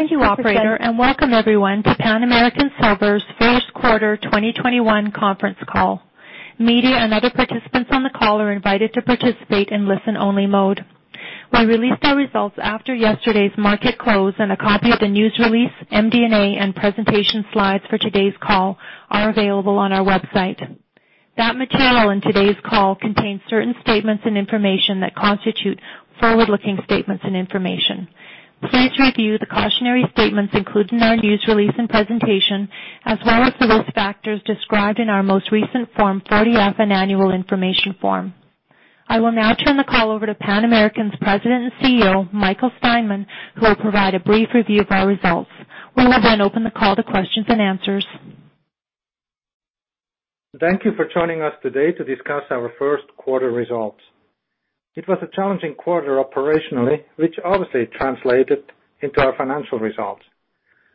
Thank you operator, and welcome everyone to Pan American Silver's first quarter 2021 conference call. Media and other participants on the call are invited to participate in listen-only mode. We released our results after yesterday's market close, and a copy of the news release, MD&A, and presentation slides for today's call are available on our website. That material in today's call contains certain statements and information that constitute forward-looking statements and information. Please review the cautionary statements included in our news release and presentation, as well as the risk factors described in our most recent Form 40-F and annual information form. I will now turn the call over to Pan American's President and CEO, Michael Steinmann, who will provide a brief review of our results. We will open the call to questions and answers. Thank you for joining us today to discuss our first quarter results. It was a challenging quarter operationally, which obviously translated into our financial results.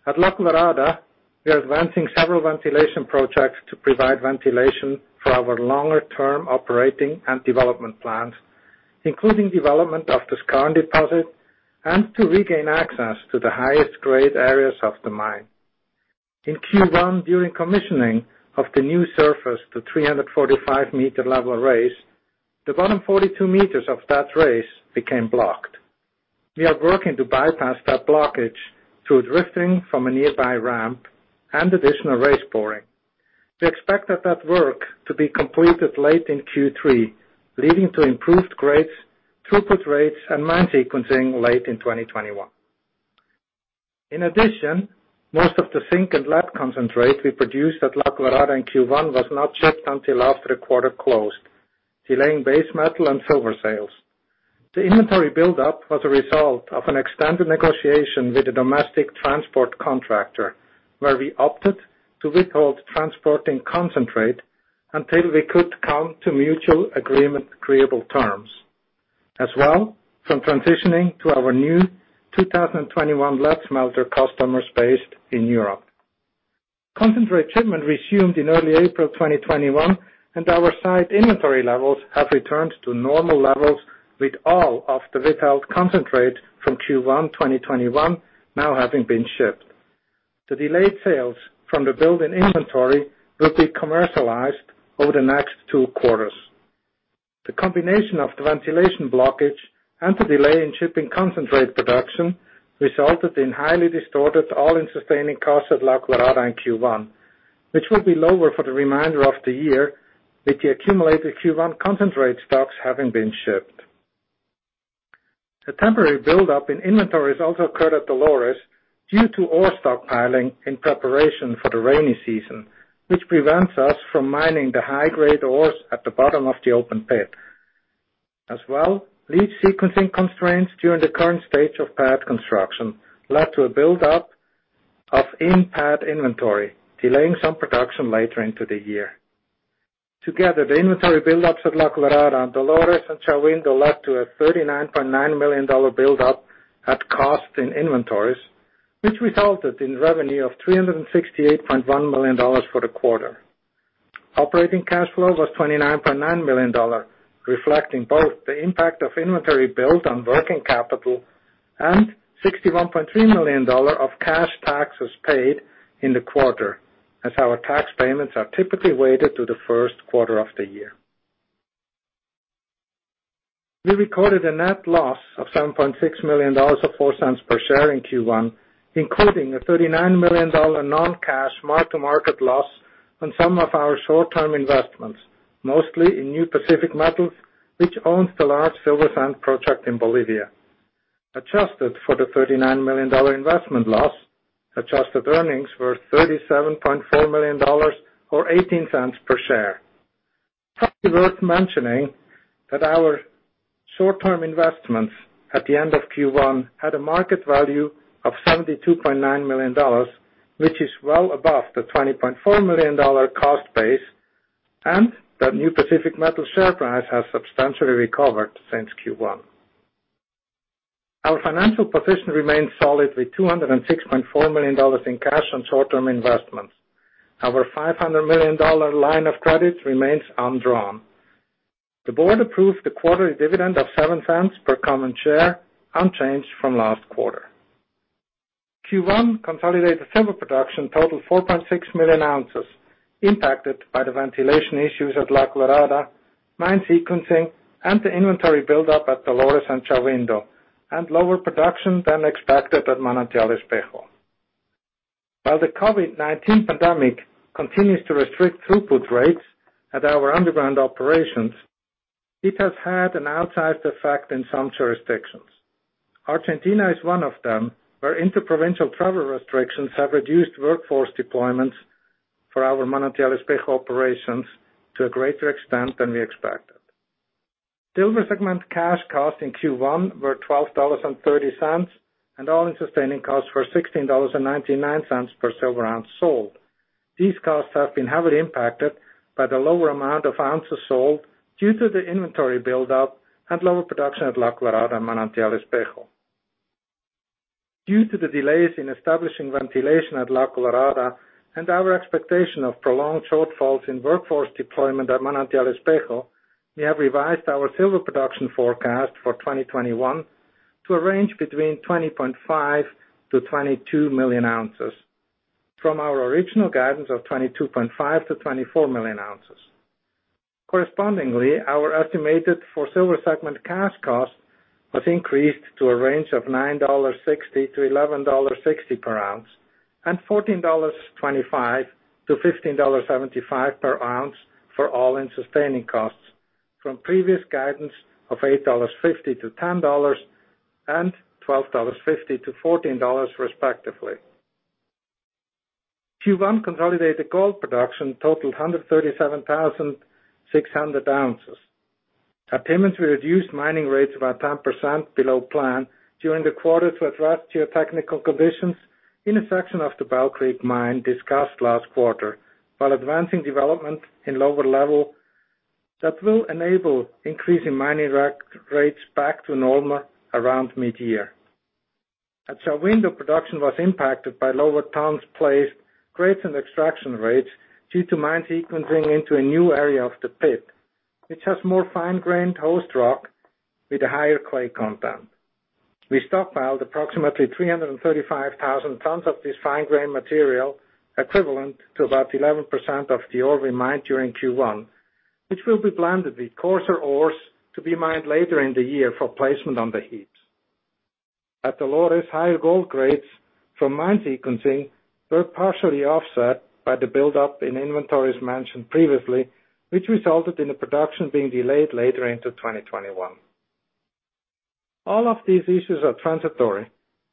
At La Colorada, we are advancing several ventilation projects to provide ventilation for our longer-term operating and development plans, including development of the Skarn deposit and to regain access to the highest-grade areas of the mine. In Q1, during commissioning of the new surface to 345 meter level raise, the bottom 42 meters of that raise became blocked. We are working to bypass that blockage through drifting from a nearby ramp and additional raise boring. We expect that work to be completed late in Q3, leading to improved grades, throughput rates, and mine sequencing late in 2021. In addition, most of the zinc and lead concentrate we produced at La Colorada in Q1 was not shipped until after the quarter closed, delaying base metal and silver sales. The inventory buildup was a result of an extended negotiation with the domestic transport contractor, where we opted to withhold transporting concentrate until we could come to mutual agreeable terms, as well from transitioning to our new 2021 lead smelter customers based in Europe. Concentrate shipment resumed in early April 2021, and our site inventory levels have returned to normal levels, with all of the withheld concentrate from Q1 2021 now having been shipped. The delayed sales from the build in inventory will be commercialized over the next two quarters. The combination of the ventilation blockage and the delay in shipping concentrate production resulted in highly distorted all-in sustaining costs at La Colorada in Q1, which will be lower for the remainder of the year with the accumulated Q1 concentrate stocks having been shipped. The temporary buildup in inventories also occurred at Dolores due to ore stockpiling in preparation for the rainy season, which prevents us from mining the high-grade ores at the bottom of the open pit. Leach sequencing constraints during the current stage of pad construction led to a buildup of in-pad inventory, delaying some production later into the year. Together, the inventory buildups at La Colorada and Dolores and Shahuindo led to a $39.9 million buildup at cost in inventories, which resulted in revenue of $368.1 million for the quarter. Operating cash flow was $29.9 million, reflecting both the impact of inventory build on working capital and $61.3 million of cash taxes paid in the quarter as our tax payments are typically weighted to the first quarter of the year. We recorded a net loss of $7.6 million, or $0.04 per share in Q1, including a $39 million non-cash mark-to-market loss on some of our short-term investments, mostly in New Pacific Metals, which owns the large Silver Sand project in Bolivia. Adjusted for the $39 million investment loss, adjusted earnings were $37.4 million or $0.18 per share. Probably worth mentioning that our short-term investments at the end of Q1 had a market value of $72.9 million, which is well above the $20.4 million cost base, and that New Pacific Metals share price has substantially recovered since Q1. Our financial position remains solid with $206.4 million in cash and short-term investments. Our $500 million line of credit remains undrawn. The board approved the quarterly dividend of $0.07 per common share, unchanged from last quarter. Q1 consolidated silver production totaled 4.6 million ounces, impacted by the ventilation issues at La Colorada, mine sequencing, and the inventory buildup at Dolores and Shahuindo, and lower production than expected at Manantial Espejo. While the COVID-19 pandemic continues to restrict throughput rates at our underground operations, it has had an outsized effect in some jurisdictions. Argentina is one of them, where inter-provincial travel restrictions have reduced workforce deployments for our Manantial Espejo operations to a greater extent than we expected. Silver segment cash costs in Q1 were $12.30, and all-in sustaining costs were $16.99 per silver ounce sold. These costs have been heavily impacted by the lower amount of ounces sold due to the inventory buildup and lower production at La Colorada and Manantial Espejo. Due to the delays in establishing ventilation at La Colorada and our expectation of prolonged shortfalls in workforce deployment at Manantial Espejo, we have revised our silver production forecast for 2021 to a range between 20.5 million-22 million ounces from our original guidance of 22.5 million-24 million ounces. Correspondingly, our estimated for silver segment cash cost was increased to a range of $9.60-$11.60 per ounce and $14.25-$15.75 per ounce for all-in sustaining costs from previous guidance of $8.50-$10 and $12.50-$14, respectively. Q1 consolidated gold production totaled 137,600 ounces. At Timmins, we reduced mining rates about 10% below plan during the quarter to address geotechnical conditions in a section of the Bell Creek mine discussed last quarter, while advancing development in lower level that will enable increasing mining rates back to normal around mid-year. At Shahuindo, production was impacted by lower tons placed, grades and extraction rates due to mine sequencing into a new area of the pit, which has more fine-grained host rock with a higher clay content. We stockpiled approximately 335,000 tons of this fine-grained material, equivalent to about 11% of the ore we mined during Q1, which will be blended with coarser ores to be mined later in the year for placement on the heaps. At Dolores, higher gold grades from mine sequencing were partially offset by the buildup in inventories mentioned previously, which resulted in the production being delayed later into 2021. All of these issues are transitory,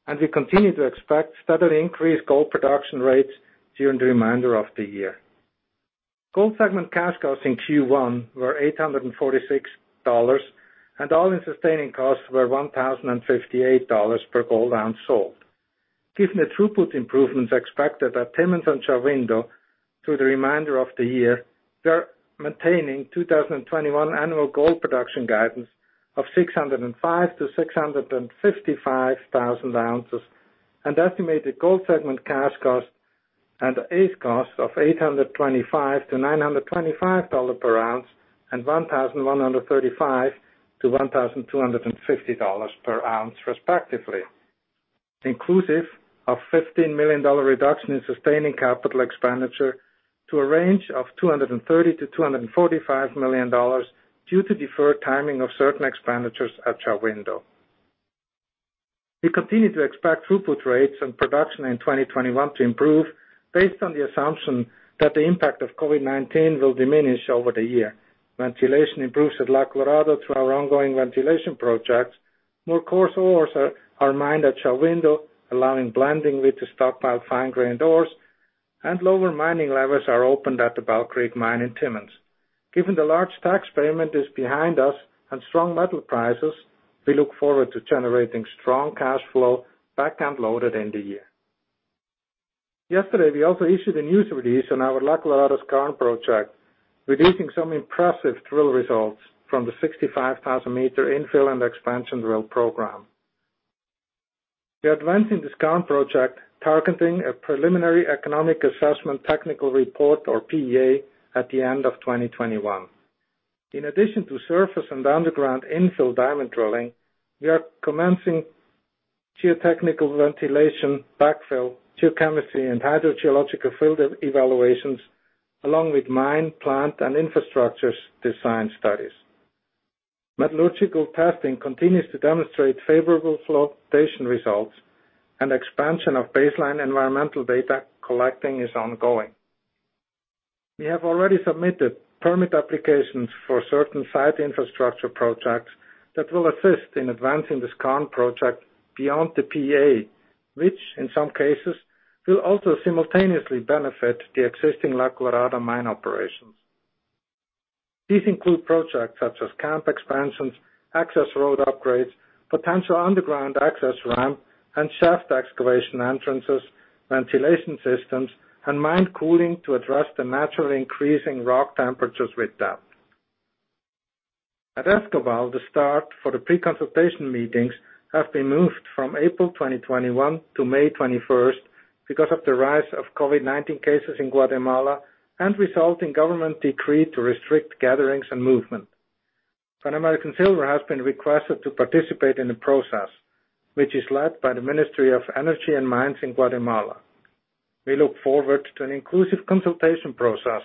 and we continue to expect steadily increased gold production rates during the remainder of the year. Gold segment cash costs in Q1 were $846, and all-in sustaining costs were $1,058 per gold ounce sold. Given the throughput improvements expected at Timmins and Shahuindo through the remainder of the year, we are maintaining 2021 annual gold production guidance of 605,000 to 655,000 ounces and estimated gold segment cash cost and AIS costs of $825-$925 per ounce and $1,135-$1,250 per ounce, respectively, inclusive of $15 million reduction in sustaining capital expenditure to a range of $230 million to $245 million due to deferred timing of certain expenditures at Shahuindo. We continue to expect throughput rates and production in 2021 to improve based on the assumption that the impact of COVID-19 will diminish over the year. Ventilation improves at La Colorada through our ongoing ventilation projects. More coarse ores are mined at Shahuindo, allowing blending with the stockpiled fine-grained ores, and lower mining levels are opened at the Bell Creek mine in Timmins. Given the large tax payment is behind us and strong metal prices, we look forward to generating strong cash flow back end loaded in the year. Yesterday, we also issued a news release on our La Colorada Skarn project, releasing some impressive drill results from the 65,000-meter infill and expansion drill program. We are advancing the Skarn project, targeting a preliminary economic assessment technical report or PEA at the end of 2021. In addition to surface and underground infill diamond drilling, we are commencing geotechnical ventilation backfill, geochemistry, and hydrogeological field evaluations, along with mine, plant, and infrastructures design studies. Metallurgical testing continues to demonstrate favorable flotation results, and expansion of baseline environmental data collecting is ongoing. We have already submitted permit applications for certain site infrastructure projects that will assist in advancing the skarn project beyond the PEA, which in some cases will also simultaneously benefit the existing La Colorada mine operations. These include projects such as camp expansions, access road upgrades, potential underground access ramp, and shaft excavation entrances, ventilation systems, and mine cooling to address the naturally increasing rock temperatures with depth. At Escobal, the start for the pre-consultation meetings have been moved from April 2021 to May 21st because of the rise of COVID-19 cases in Guatemala and resulting government decree to restrict gatherings and movement. Pan American Silver has been requested to participate in the process, which is led by the Ministry of Energy and Mines in Guatemala. We look forward to an inclusive consultation process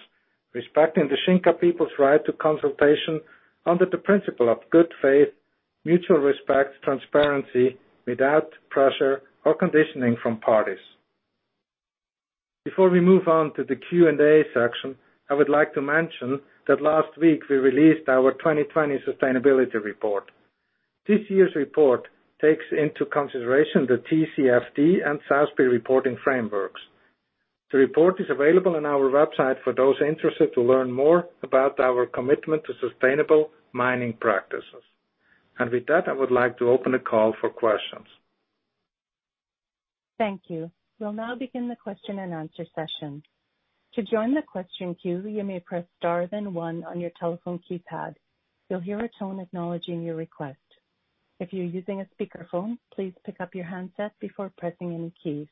respecting the Xinka people's right to consultation under the principle of good faith, mutual respect, transparency, without pressure or conditioning from parties. Before we move on to the Q&A section, I would like to mention that last week we released our 2020 sustainability report. This year's report takes into consideration the TCFD and SASB reporting frameworks. The report is available on our website for those interested to learn more about our commitment to sustainable mining practices. With that, I would like to open the call for questions. Thank you. We'll now begin the question and answer session. To join the question queue, you may press star then one on your telephone keypad. You'll hear a tone acknowledging your request. If you're using a speakerphone, please pick up your handset before pressing any keys.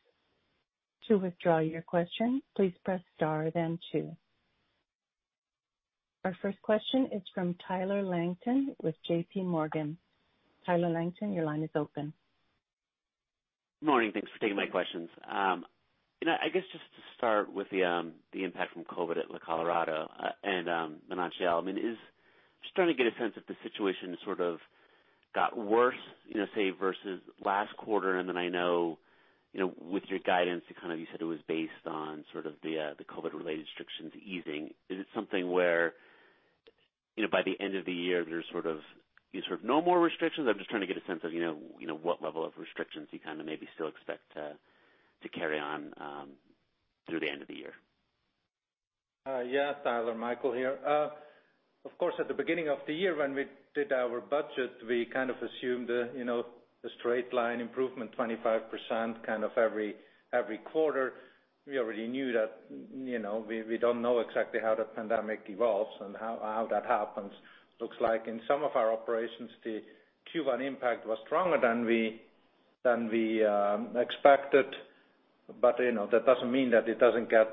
To withdraw your question, please press star then two. Our first question is from Tyler Langton with JPMorgan. Tyler Langton, your line is open. Morning. Thanks for taking my questions. I guess just to start with the impact from COVID at La Colorada and Manantial, just trying to get a sense if the situation sort of got worse, say, versus last quarter. I know, with your guidance, you said it was based on the sort of COVID-related restrictions easing. Is it something where, by the end of the year, there's sort of no more restrictions? I'm just trying to get a sense of what level of restrictions you kind of maybe still expect to carry on through the end of the year. Yeah, Tyler, Michael here. Of course, at the beginning of the year, when we did our budget, we kind of assumed a straight line improvement, 25% kind of every quarter. We already knew that we don't know exactly how the pandemic evolves and how that happens. Looks like in some of our operations, the Q1 impact was stronger than we expected. That doesn't mean that it doesn't get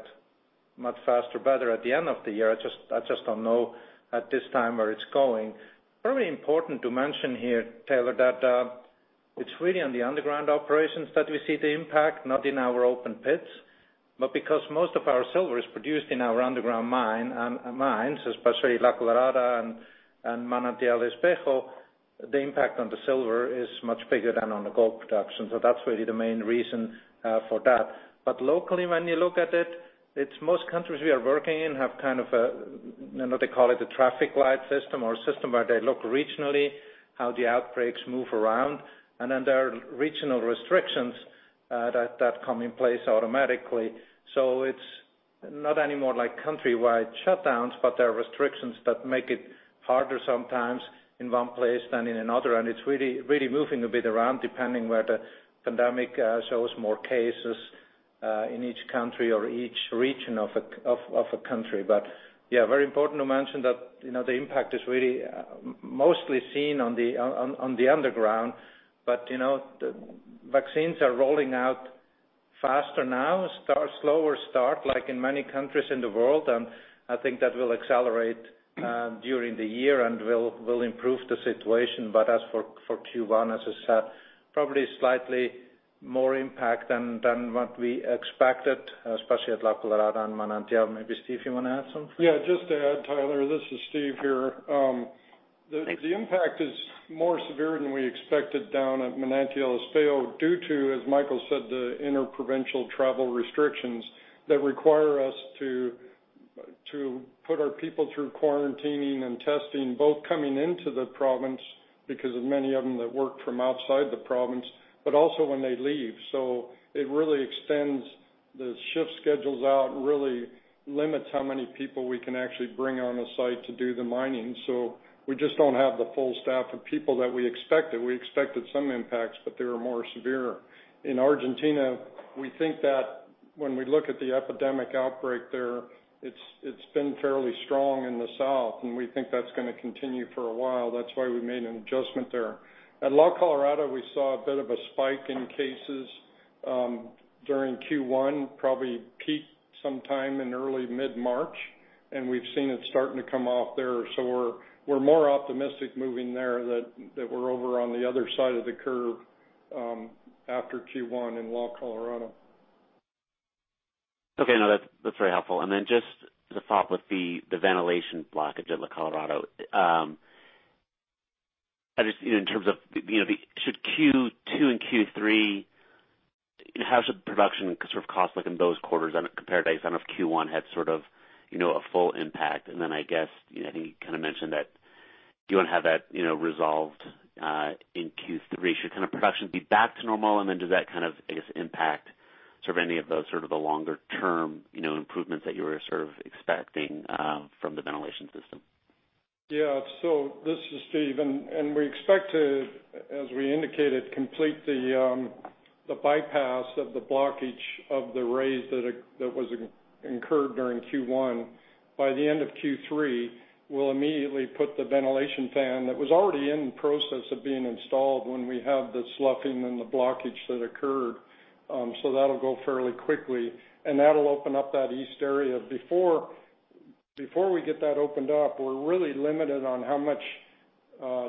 much faster, better at the end of the year. I just don't know at this time where it's going. Probably important to mention here, Tyler, that it's really on the underground operations that we see the impact, not in our open pits, but because most of our silver is produced in our underground mines, especially La Colorada and Manantial Espejo, the impact on the silver is much bigger than on the gold production. That's really the main reason for that. Locally, when you look at it's most countries we are working in have kind of a, they call it a traffic light system or a system where they look regionally, how the outbreaks move around, and then there are regional restrictions that come in place automatically. It's not anymore like countrywide shutdowns, but there are restrictions that make it harder sometimes in one place than in another, and it's really moving a bit around depending where the pandemic shows more cases in each country or each region of a country. Yeah, very important to mention that the impact is really mostly seen on the underground, but vaccines are rolling out faster now, slower start, like in many countries in the world. I think that will accelerate during the year and will improve the situation. As for Q1, as I said, probably slightly more impact than what we expected, especially at La Colorada and Manantial. Maybe Steve, you want to add something? Yeah, just to add, Tyler, this is Steve here. Thanks. The impact is more severe than we expected down at Manantial Espejo due to, as Michael said, the interprovincial travel restrictions that require us to put our people through quarantining and testing, both coming into the province because of many of them that work from outside the province, but also when they leave. It really extends the shift schedules out and really limits how many people we can actually bring on the site to do the mining. We just don't have the full staff of people that we expected. We expected some impacts, but they were more severe. In Argentina, we think that when we look at the epidemic outbreak there, it's been fairly strong in the south, and we think that's going to continue for a while. That's why we made an adjustment there. At La Colorada, we saw a bit of a spike in cases, during Q1, probably peaked sometime in early mid-March, and we've seen it starting to come off there. We're more optimistic moving there that we're over on the other side of the curve, after Q1 in La Colorada. Okay. No, that's very helpful. Just to follow up with the ventilation blockage at La Colorada. Should Q2 and Q3, how should production sort of cost like in those quarters compared to, I guess, Q1 had sort of a full impact and then I guess, I think you kind of mentioned that you want to have that resolved, in Q3? Should kind of production be back to normal? Does that kind of, I guess, impact sort of any of those sort of the longer-term improvements that you were sort of expecting from the ventilation system? Yeah. This is Steve. We expect to, as we indicated, complete the bypass of the blockage of the raise that was incurred during Q1. By the end of Q3, we'll immediately put the ventilation fan that was already in process of being installed when we had the sloughing and the blockage that occurred. That'll go fairly quickly, and that'll open up that east area. Before we get that opened up, we're really limited on how much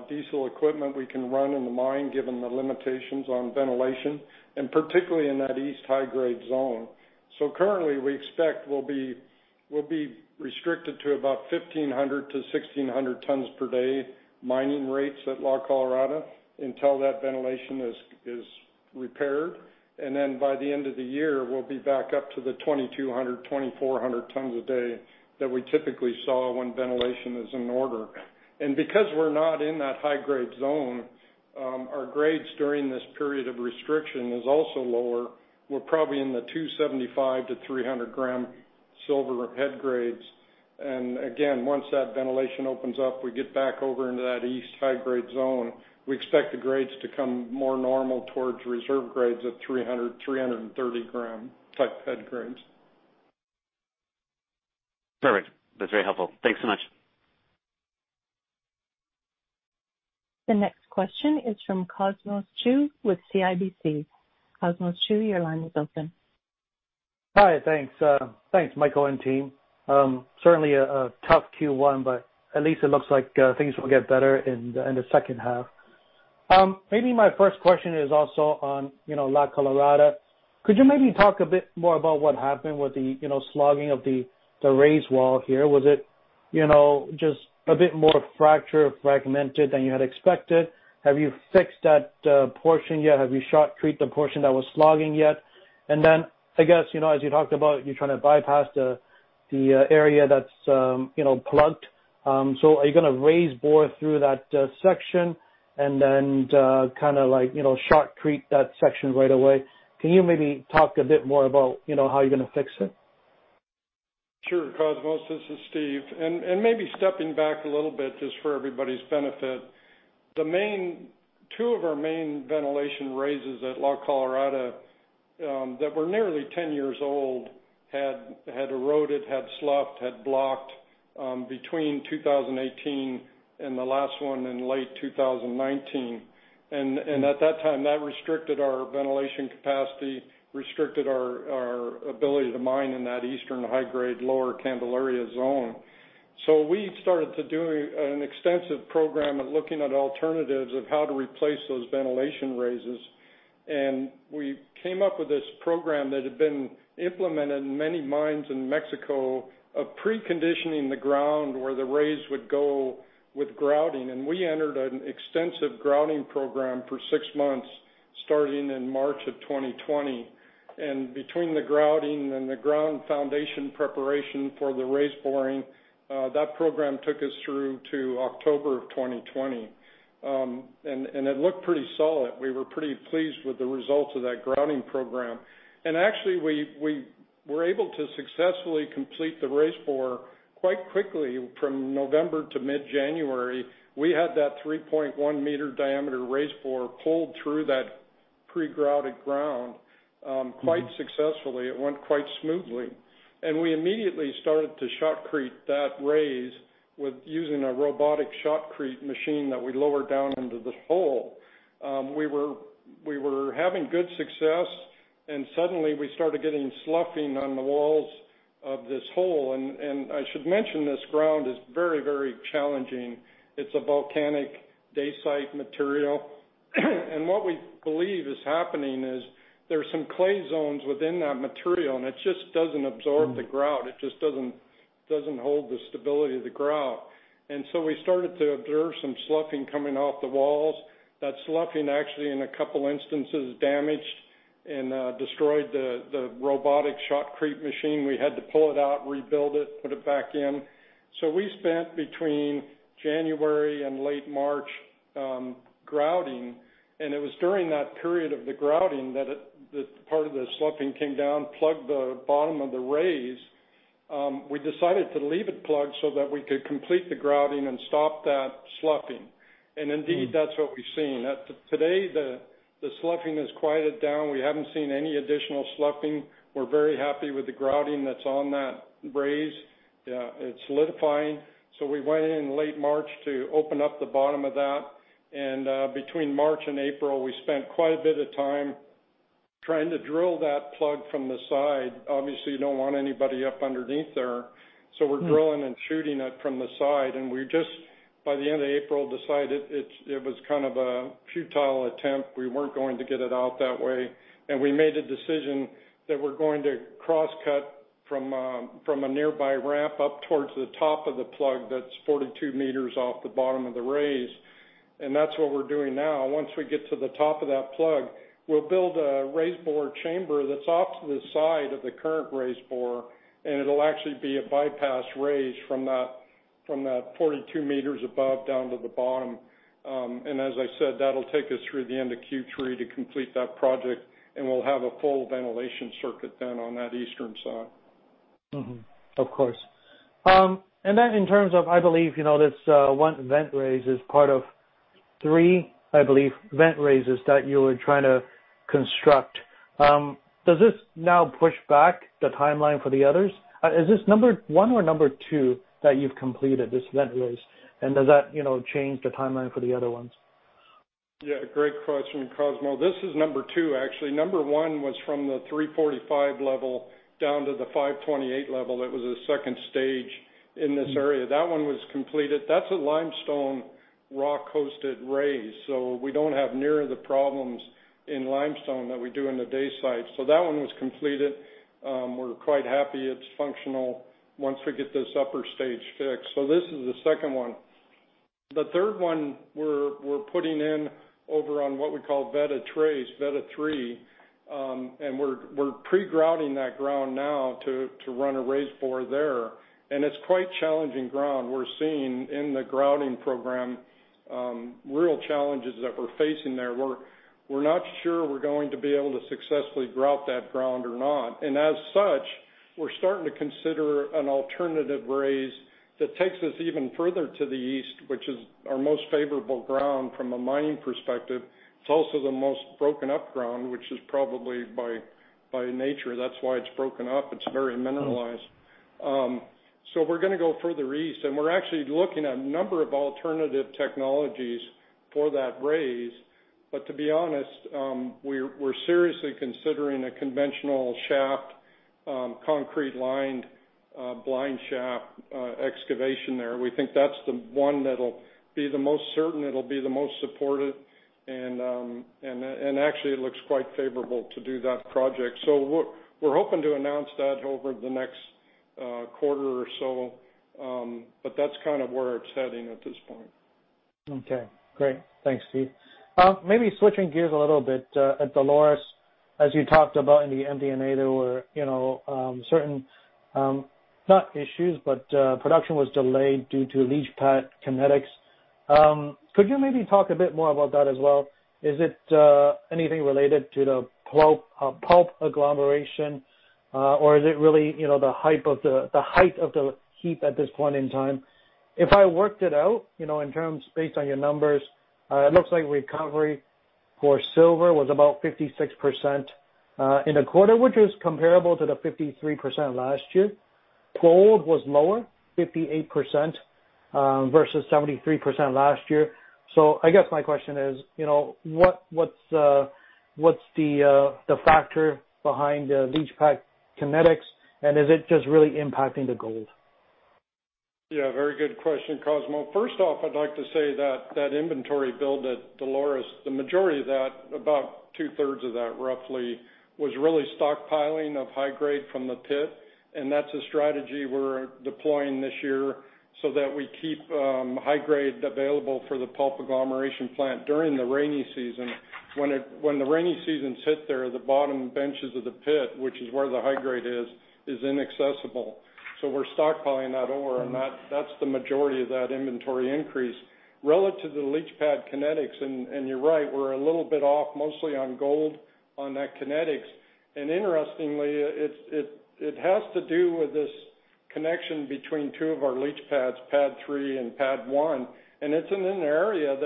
diesel equipment we can run in the mine given the limitations on ventilation, and particularly in that east high-grade zone. Currently, we expect we'll be restricted to about 1,500-1,600 tons per day mining rates at La Colorada until that ventilation is repaired. By the end of the year, we'll be back up to the 2,200-2,400 tons a day that we typically saw when ventilation is in order. Because we're not in that high-grade zone, our grades during this period of restriction is also lower. We're probably in the 275-300 gram silver head grades. Again, once that ventilation opens up, we get back over into that east high-grade zone, we expect the grades to come more normal towards reserve grades of 300-330 gram type head grades. Perfect. That's very helpful. Thanks so much. The next question is from Cosmos Chiu with CIBC. Cosmos Chiu, your line is open. Hi. Thanks, Michael and team. Certainly a tough Q1. At least it looks like things will get better in the second half. Maybe my first question is also on La Colorada. Could you maybe talk a bit more about what happened with the sloughing of the raise wall here? Was it just a bit more fracture fragmented than you had expected? Have you fixed that portion yet? Have you shotcreted the portion that was sloughing yet? I guess, as you talked about, you're trying to bypass the area that's plugged. Are you going to raise bore through that section and then shot-crete that section right away? Can you maybe talk a bit more about how you're going to fix it? Sure, Cosmos, this is Steve. Maybe stepping back a little bit just for everybody's benefit. Two of our main ventilation raises at La Colorada, that were nearly 10 years old, had eroded, had sloughed, had blocked between 2018 and the last one in late 2019. At that time, that restricted our ventilation capacity, restricted our ability to mine in that eastern high-grade, lower Candelaria zone. We started to do an extensive program of looking at alternatives of how to replace those ventilation raises. We came up with this program that had been implemented in many mines in Mexico of preconditioning the ground where the raise would go with grouting. We entered an extensive grouting program for six months, starting in March of 2020. Between the grouting and the ground foundation preparation for the raise boring, that program took us through to October of 2020. It looked pretty solid. We were pretty pleased with the results of that grouting program. Actually, we were able to successfully complete the raise bore quite quickly from November to mid-January. We had that 3.1 meter diameter raise bore pulled through that pre-grouted ground quite successfully. It went quite smoothly. We immediately started to shotcrete that raise with using a robotic shotcrete machine that we lowered down into the hole. We were having good success, and suddenly we started getting sloughing on the walls of this hole. I should mention, this ground is very challenging. It's a volcanic dacite material. What we believe is happening is there's some clay zones within that material, and it just doesn't absorb the grout. It just doesn't hold the stability of the grout. We started to observe some sloughing coming off the walls. That sloughing actually in a couple instances, damaged and destroyed the robotic shotcrete machine. We had to pull it out, rebuild it, put it back in. We spent between January and late March grouting, and it was during that period of the grouting that the part of the sloughing came down, plugged the bottom of the raise. We decided to leave it plugged so that we could complete the grouting and stop that sloughing. Indeed, that's what we've seen. Today, the sloughing has quieted down. We haven't seen any additional sloughing. We're very happy with the grouting that's on that raise. It's solidifying. We went in late March to open up the bottom of that, and between March and April, we spent quite a bit of time trying to drill that plug from the side. Obviously, you don't want anybody up underneath there, so we're drilling and shooting it from the side. We just, by the end of April, decided it was kind of a futile attempt. We weren't going to get it out that way. We made a decision that we're going to cross-cut from a nearby ramp up towards the top of the plug that's 42 meters off the bottom of the raise. That's what we're doing now. Once we get to the top of that plug, we'll build a raise bore chamber that's off to the side of the current raise bore. It'll actually be a bypass raise from that 42 meters above down to the bottom. As I said, that'll take us through the end of Q3 to complete that project, and we'll have a full ventilation circuit then on that eastern side. Of course. In terms of, I believe, this one vent raise is part of three, I believe, vent raises that you were trying to construct. Does this now push back the timeline for the others? Is this number 1 or number 2 that you've completed, this vent raise? Does that change the timeline for the other ones? Yeah, great question, Cosmos. This is number two, actually. Number one was from the 345 level down to the 528 level. That was the second stage in this area. That one was completed. That's a limestone rock-hosted raise, so we don't have near the problems in limestone that we do in the dacite. That one was completed. We're quite happy it's functional once we get this upper stage fixed. This is the second one. The third one we're putting in over on what we call Veta Tres, Veta 3. We're pre-grouting that ground now to run a raise bore there. It's quite challenging ground we're seeing in the grouting program, real challenges that we're facing there, where we're not sure we're going to be able to successfully grout that ground or not. As such, we're starting to consider an alternative raise that takes us even further to the east, which is our most favorable ground from a mining perspective. It's also the most broken up ground, which is probably by nature, that's why it's broken up. It's very mineralized. We're going to go further east, and we're actually looking at a number of alternative technologies for that raise. To be honest, we're seriously considering a conventional shaft, concrete-lined blind shaft excavation there. We think that's the one that'll be the most certain, it'll be the most supported, and actually, it looks quite favorable to do that project. We're hoping to announce that over the next quarter or so. That's where it's heading at this point. Okay, great. Thanks, Steve. Maybe switching gears a little bit. At Dolores, as you talked about in the MD&A, there were certain, not issues, but production was delayed due to leach pad kinetics. Could you maybe talk a bit more about that as well? Is it anything related to the pulp agglomeration, or is it really the height of the heap at this point in time? If I worked it out, in terms based on your numbers, it looks like recovery for silver was about 56% in the quarter, which is comparable to the 53% last year. Gold was lower, 58% versus 73% last year. I guess my question is, what's the factor behind the leach pad kinetics, and is it just really impacting the gold? Yeah, very good question, Cosmos Chiu. First off, I'd like to say that that inventory build at Dolores, the majority of that, about two-thirds of that roughly, was really stockpiling of high grade from the pit, and that's a strategy we're deploying this year so that we keep high grade available for the pulp agglomeration plant during the rainy season. When the rainy season hits there, the bottom benches of the pit, which is where the high grade is inaccessible. We're stockpiling that ore, and that's the majority of that inventory increase. Relative to the leach pad kinetics, and you're right, we're a little bit off, mostly on gold on that kinetics. Interestingly, it has to do with this connection between two of our leach pads, pad 3 and pad 1, and it's in an area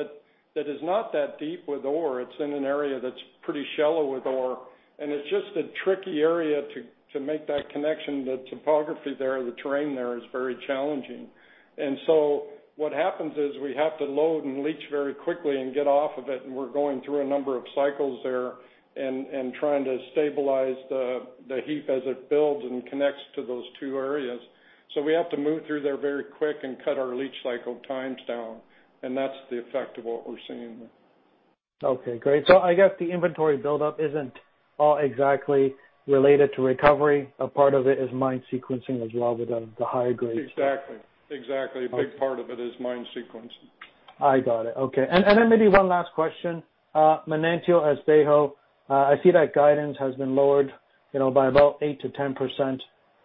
that is not that deep with ore. It's in an area that's pretty shallow with ore, and it's just a tricky area to make that connection. The topography there, the terrain there, is very challenging. What happens is we have to load and leach very quickly and get off of it, and we're going through a number of cycles there and trying to stabilize the heap as it builds and connects to those two areas. We have to move through there very quick and cut our leach cycle times down, and that's the effect of what we're seeing there. Okay, great. I guess the inventory buildup isn't all exactly related to recovery. A part of it is mine sequencing as well with the high grades. Exactly. A big part of it is mine sequencing. I got it. Okay. Maybe one last question. Manantial Espejo, I see that guidance has been lowered by about 8%-10%.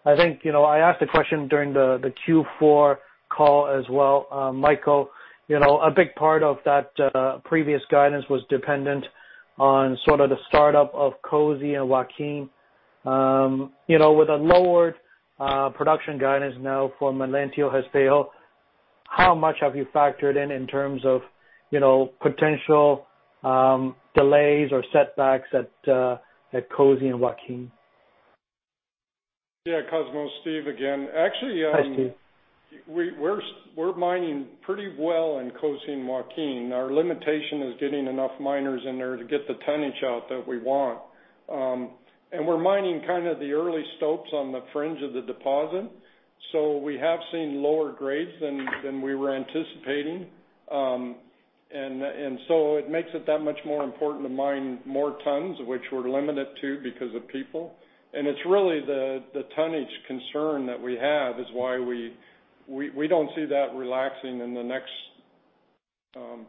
I think, I asked a question during the Q4 call as well. Michael, a big part of that previous guidance was dependent on sort of the startup of COSE and Joaquin. With a lowered production guidance now for Manantial Espejo, how much have you factored in in terms of potential delays or setbacks at COSE and Joaquin? Yeah, Cosmos Chiu. Steve Busby again. Hi, Steve. We're mining pretty well in COSE and Joaquin. Our limitation is getting enough miners in there to get the tonnage out that we want. We're mining the early stopes on the fringe of the deposit. We have seen lower grades than we were anticipating. It makes it that much more important to mine more tons, which we're limited to because of people. It's really the tonnage concern that we have is why we don't see that relaxing in the next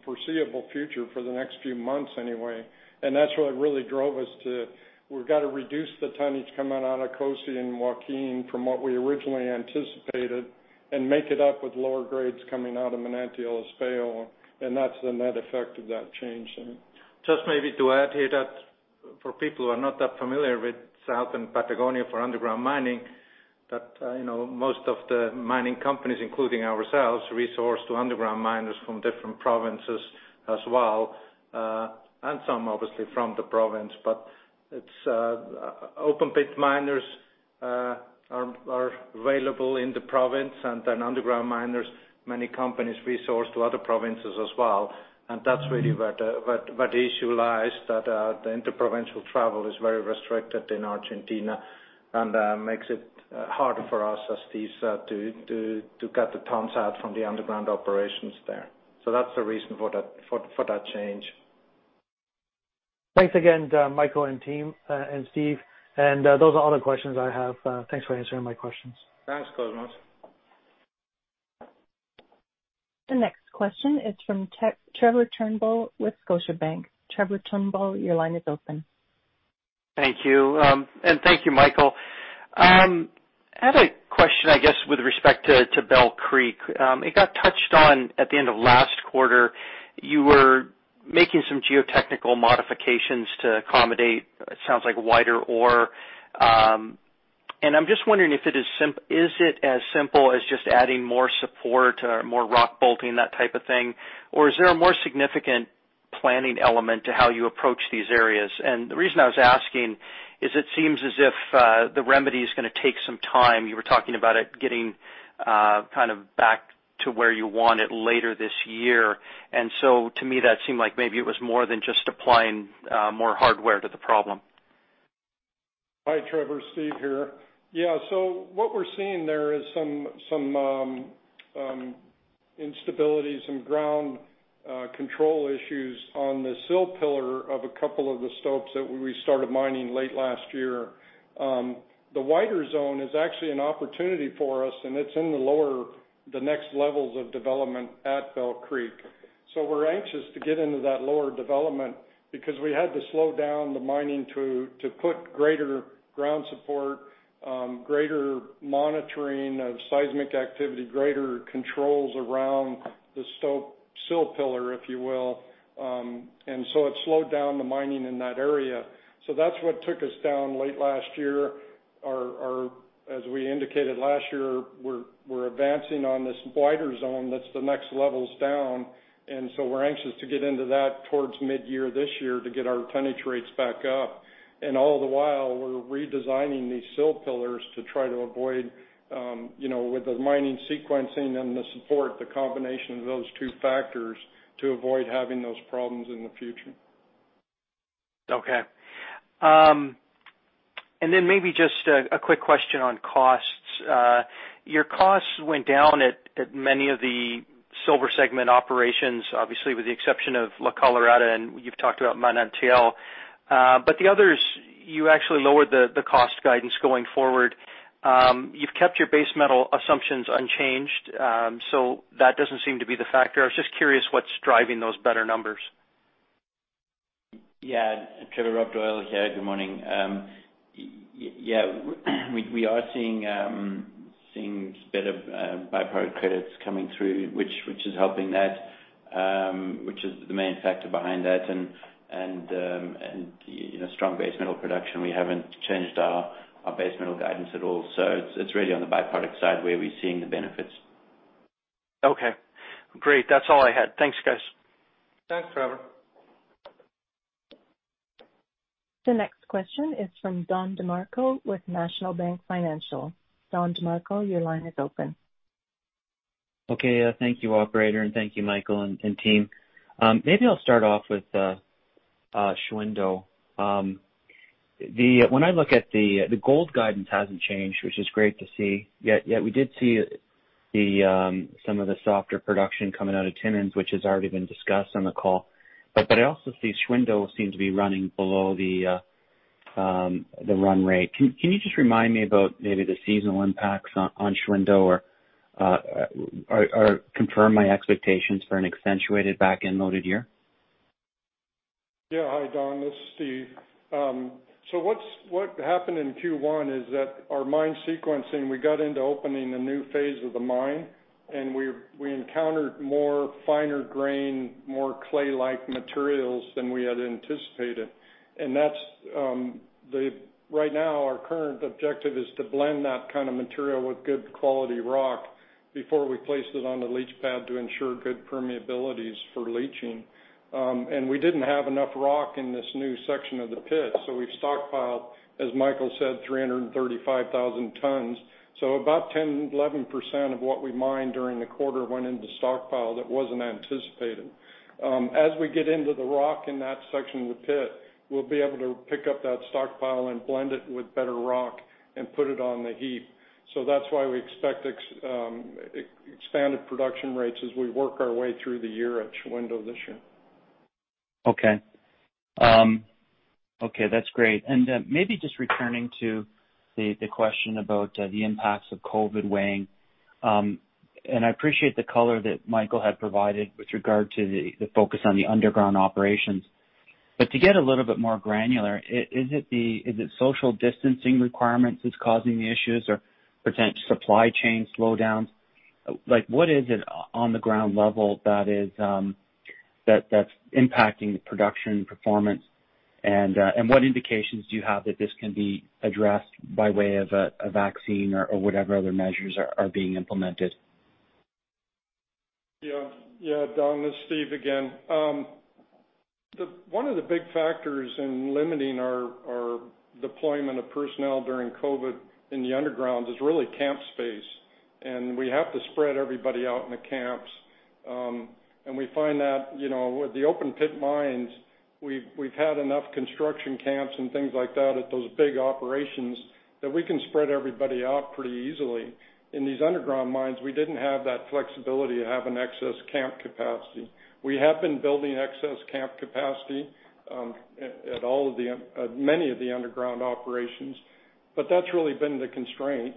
foreseeable future, for the next few months anyway. That's what really drove us to, we've got to reduce the tonnage coming out of COSE and Joaquin from what we originally anticipated and make it up with lower grades coming out of Manantial Espejo, and that's the net effect of that change then. Just maybe to add here that for people who are not that familiar with Southern Patagonia for underground mining, that most of the mining companies, including ourselves, resource to underground miners from different provinces as well. Some obviously from the province, but it's open pit miners are available in the province and then underground miners, many companies resource to other provinces as well. That's really where the issue lies, that the inter-provincial travel is very restricted in Argentina and makes it harder for us, as Steve Busby said, to get the tons out from the underground operations there. That's the reason for that change. Thanks again, Michael and Steve. Those are all the questions I have. Thanks for answering my questions. Thanks, Cosmos. The next question is from Trevor Turnbull with Scotiabank. Trevor Turnbull, your line is open. Thank you. Thank you, Michael. I had a question, I guess, with respect to Bell Creek. It got touched on at the end of last quarter. You were making some geotechnical modifications to accommodate, it sounds like wider ore. I'm just wondering is it as simple as just adding more support or more rock bolting, that type of thing? Is there a more significant planning element to how you approach these areas? The reason I was asking is it seems as if the remedy's going to take some time. You were talking about it getting back to where you want it later this year. To me, that seemed like maybe it was more than just applying more hardware to the problem. Hi, Trevor. Steve here. What we're seeing there is some instability, some ground control issues on the sill pillar of a couple of the stopes that we started mining late last year. The wider zone is actually an opportunity for us, and it's in the lower, the next levels of development at Bell Creek. We're anxious to get into that lower development because we had to slow down the mining to put greater ground support, greater monitoring of seismic activity, greater controls around the stope sill pillar, if you will. It slowed down the mining in that area. That's what took us down late last year. As we indicated last year, we're advancing on this wider zone that's the next levels down. We're anxious to get into that towards mid-year this year to get our tonnage rates back up. All the while, we're redesigning these sill pillars to try to avoid with the mining sequencing and the support, the combination of those two factors to avoid having those problems in the future. Okay. Maybe just a quick question on costs. Your costs went down at many of the silver segment operations, obviously with the exception of La Colorada, and you've talked about Manantial. The others, you actually lowered the cost guidance going forward. You've kept your base metal assumptions unchanged, so that doesn't seem to be the factor. I was just curious what's driving those better numbers. Yeah. Trevor, Rob Doyle here. Good morning. Yeah, we are seeing better by-product credits coming through, which is helping that, which is the main factor behind that, and strong base metal production. We haven't changed our base metal guidance at all. It's really on the by-product side where we're seeing the benefits. Okay, great. That's all I had. Thanks, guys. Thanks, Trevor. The next question is from Don DeMarco with National Bank Financial. Don DeMarco, your line is open. Thank you, operator, and thank you, Michael and team. Maybe I'll start off with Shahuindo. When I look at the gold guidance hasn't changed, which is great to see, yet we did see some of the softer production coming out of Timmins, which has already been discussed on the call. I also see Shahuindo seem to be running below the run rate. Can you just remind me about maybe the seasonal impacts on Shahuindo or confirm my expectations for an accentuated back-end loaded year? Yeah. Hi, Don. This is Steve. What happened in Q1 is that our mine sequencing, we got into opening a new phase of the mine, and we encountered more finer-grain, more clay-like materials than we had anticipated. Right now our current objective is to blend that kind of material with good quality rock before we place it on the leach pad to ensure good permeabilities for leaching. We didn't have enough rock in this new section of the pit, so we've stockpiled, as Michael said, 335,000 tons. About 10%, 11% of what we mined during the quarter went into stockpile that wasn't anticipated. As we get into the rock in that section of the pit, we'll be able to pick up that stockpile and blend it with better rock and put it on the heap. That's why we expect expanded production rates as we work our way through the year at Shahuindo this year. Okay. That's great. Maybe just returning to the question about the impacts of COVID weighing. I appreciate the color that Michael had provided with regard to the focus on the underground operations. To get a little bit more granular, is it social distancing requirements that's causing the issues or potential supply chain slowdowns? What is it on the ground level that's impacting the production performance and what indications do you have that this can be addressed by way of a vaccine or whatever other measures are being implemented? Yeah. Don, this is Steve again. One of the big factors in limiting our deployment of personnel during COVID-19 in the underground is really camp space. We have to spread everybody out in the camps. We find that with the open pit mines, we've had enough construction camps and things like that at those big operations that we can spread everybody out pretty easily. In these underground mines, we didn't have that flexibility to have an excess camp capacity. We have been building excess camp capacity at many of the underground operations. But that's really been the constraint.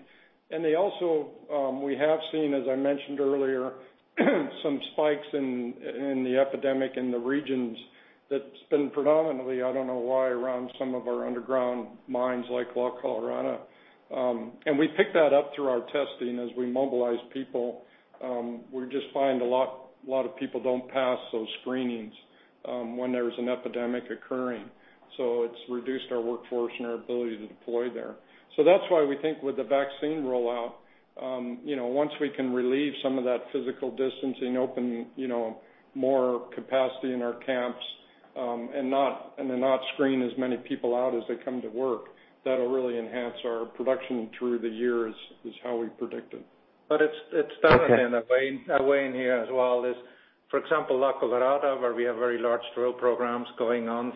Also, we have seen, as I mentioned earlier, some spikes in the epidemic in the regions that's been predominantly, I don't know why, around some of our underground mines like La Colorada. We pick that up through our testing as we mobilize people. We just find a lot of people don't pass those screenings when there's an epidemic occurring. It's reduced our workforce and our ability to deploy there. That's why we think with the vaccine rollout, once we can relieve some of that physical distancing, open more capacity in our camps, and then not screen as many people out as they come to work, that'll really enhance our production through the year as how we predicted. It's definitely in a way in here as well, for example, La Colorada, where we have very large drill programs going on,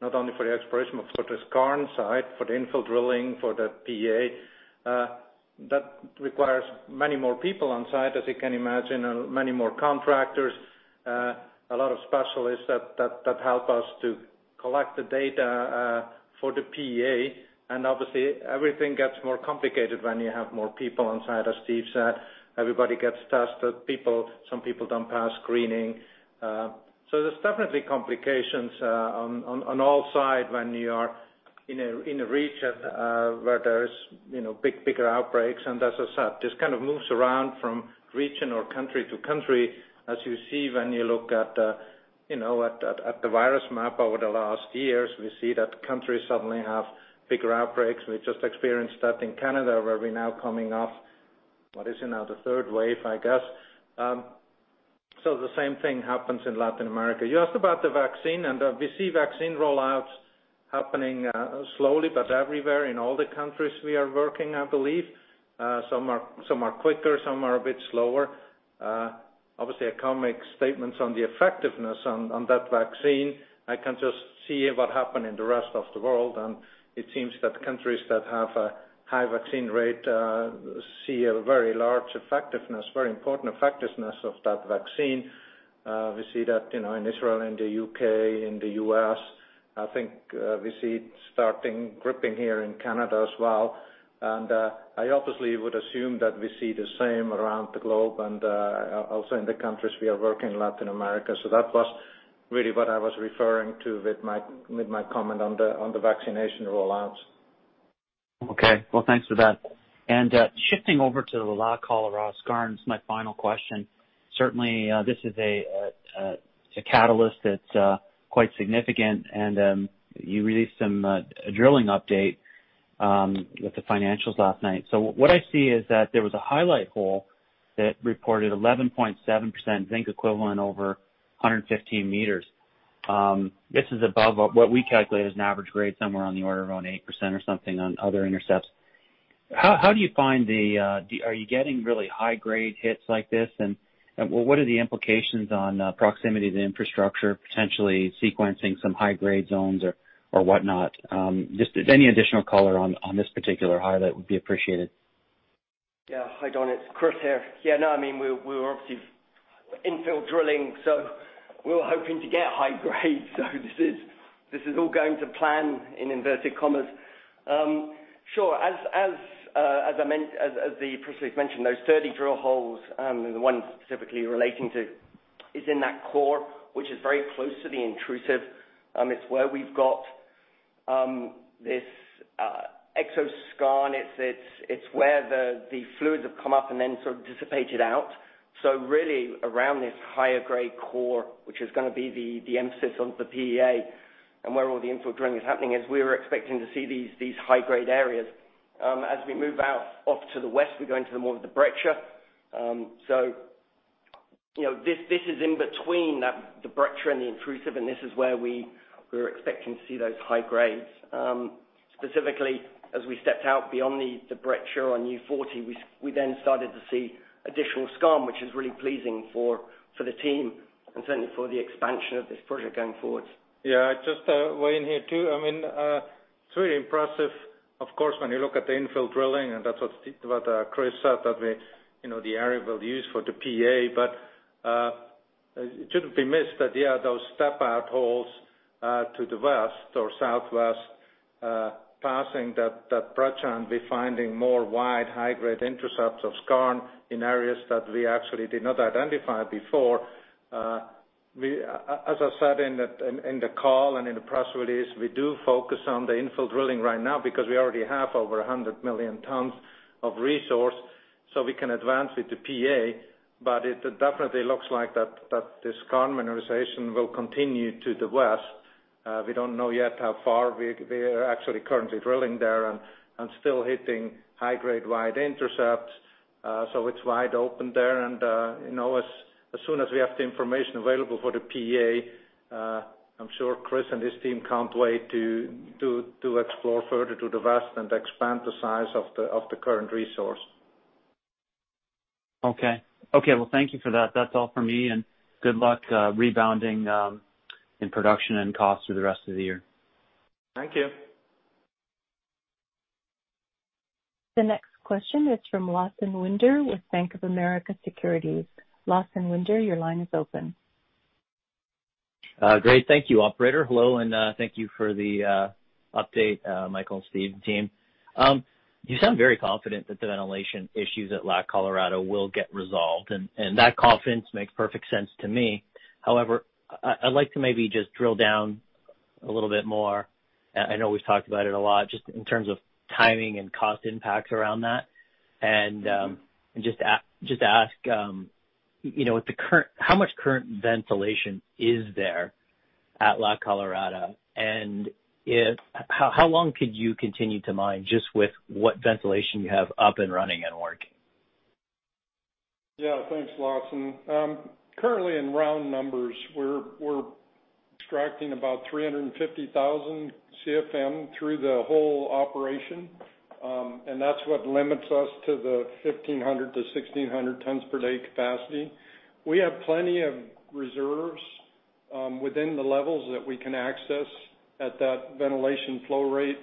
not only for the exploration, but for the skarn site, for the infill drilling, for the PEA. That requires many more people on site, as you can imagine, and many more contractors, a lot of specialists that help us to collect the data for the PEA. Obviously everything gets more complicated when you have more people on site, as Steve said. Everybody gets tested. Some people don't pass screening. There's definitely complications on all sides when you are in a region where there's bigger outbreaks. As I said, this kind of moves around from region or country to country. As you see when you look at the virus map over the last years, we see that countries suddenly have bigger outbreaks. We just experienced that in Canada, where we're now coming off, what is it now? The third wave, I guess. The same thing happens in Latin America. You asked about the vaccine, and we see vaccine rollouts happening slowly but everywhere in all the countries we are working, I believe. Some are quicker, some are a bit slower. Obviously, I can't make statements on the effectiveness on that vaccine. I can just see what happened in the rest of the world, and it seems that countries that have a high vaccine rate see a very large effectiveness, very important effectiveness of that vaccine. We see that in Israel, in the U.K., in the U.S. I think we see it starting, gripping here in Canada as well. I obviously would assume that we see the same around the globe and also in the countries we are working in Latin America. That was really what I was referring to with my comment on the vaccination rollouts. Okay. Well, thanks for that. Shifting over to La Colorada skarn, this is my final question. Certainly, this is a catalyst that's quite significant, and you released a drilling update with the financials last night. What I see is that there was a highlight hole that reported 11.7% zinc equivalent over 115 meters. This is above what we calculate as an average grade, somewhere on the order of around 8% or something on other intercepts. Are you getting really high-grade hits like this, and what are the implications on proximity to the infrastructure, potentially sequencing some high-grade zones or whatnot? Just any additional color on this particular highlight would be appreciated. Yeah. Hi, Don DeMarco, it's Christopher here. Yeah, no, we were obviously infill drilling. We were hoping to get high grades. This is all going to plan in inverted commas. Sure. As the press release mentioned, those 30 drill holes, and the one specifically relating to, is in that core, which is very close to the intrusive. It's where we've got this exoskarn. It's where the fluids have come up and then sort of dissipated out. Really around this higher grade core, which is going to be the emphasis of the PEA and where all the infill drilling is happening, we were expecting to see these high-grade areas. As we move out off to the west, we go into more of the breccia. This is in between the breccia and the intrusive. This is where we were expecting to see those high grades. Specifically, as we stepped out beyond the breccia on U40, we then started to see additional skarn, which is really pleasing for the team and certainly for the expansion of this project going forward. Yeah. Just to weigh in here, too. It's really impressive, of course, when you look at the infill drilling, and that's what Chris said, that the area we'll use for the PEA. It shouldn't be missed that, yeah, those step-out holes to the west or southwest, passing that breccia, and we're finding more wide, high-grade intercepts of skarn in areas that we actually did not identify before. As I said in the call and in the press release, we do focus on the infill drilling right now because we already have over 100 million tons of resource, so we can advance it to PEA, but it definitely looks like that the skarn mineralization will continue to the west. We don't know yet how far. We are actually currently drilling there and still hitting high-grade wide intercepts. It's wide open there and as soon as we have the information available for the PEA, I'm sure Chris and his team can't wait to explore further to the west and expand the size of the current resource. Okay. Well, thank you for that. That is all for me. Good luck rebounding in production and costs for the rest of the year. Thank you. The next question is from Lawson Winder with Bank of America Securities. Lawson Winder, your line is open. Great. Thank you, operator. Hello, thank you for the update, Michael, Steve, team. You sound very confident that the ventilation issues at La Colorada will get resolved, and that confidence makes perfect sense to me. However, I'd like to maybe just drill down a little bit more. I know we've talked about it a lot, just in terms of timing and cost impacts around that. Just ask, how much current ventilation is there at La Colorada? How long could you continue to mine just with what ventilation you have up and running and working? Thanks, Lawson. Currently, in round numbers, we're extracting about 350,000 CFM through the whole operation. That's what limits us to the 1,500-1,600 tons per day capacity. We have plenty of reserves within the levels that we can access at that ventilation flow rate